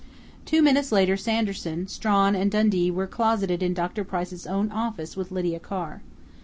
Two minutes later Sanderson, Strawn and Dundee were closeted in Dr. Price's own office with Lydia Carr.